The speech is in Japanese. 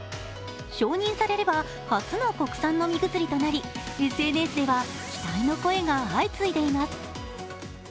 承認されれば初の国産飲み薬となりＳＮＳでは期待の声が相次いでいます